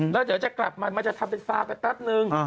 แล้วเดี๋ยวจะกลับมามันจะทำเป็นฟ้าไปแป๊บนึง